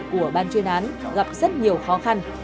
của ban chuyên án gặp rất nhiều khó khăn